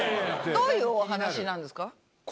どういうお話なんですか？